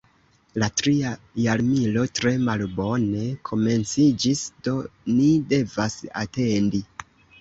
La tria jarmilo tre malbone komenciĝis, do ni devas atendi.